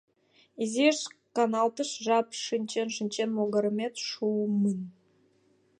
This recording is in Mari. — Изиш каналташ жап, шинчен-шинчен могыремат шумын.